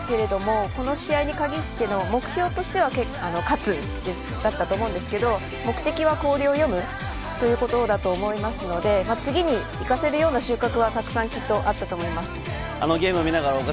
負けたんですが、この試合に限っての目標としては勝つだったと思うんですが、目的は氷を読むということだと思いますので、次に生かせるような収穫はたくさんあったと思います。